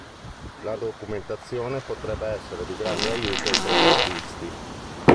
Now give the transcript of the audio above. La documentazione potrebbe essere di grande aiuto ai progettisti.